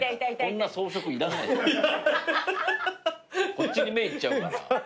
こっちに目いっちゃう。